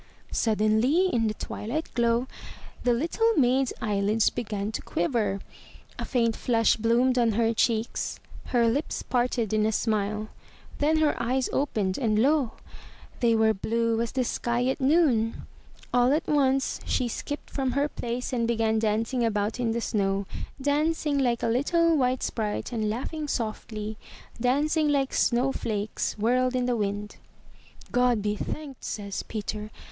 Suddenly, in the twilight glow, the little maid's eyelids began to quiver; a faint flush bloomed on her cheeks; her lips parted in a smile. Then her eyes opened, and lo ! they were blue as the sky at noon ! All at once, she skipped from her place and began dancing about in the snow, dancing like a little white sprite . and laughing softly, dancing like snow flakes whirled in the wind. "God be thanked," says Peter.